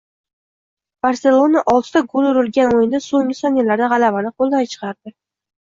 Barselonaoltita gol urilgan o‘yinda so‘nggi soniyalarda g‘alabani qo‘ldan chiqardi